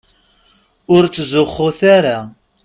Ur ttzuxxut ara.